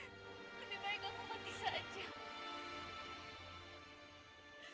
tapi aku harus cari dia